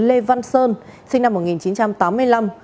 lê văn sơn sinh năm một nghìn chín trăm tám mươi năm